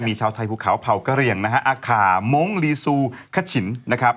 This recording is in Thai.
มีเช้าไทยภูเขาเผากะเรียงอาข่ามงค์ลีซูคชินนะครับ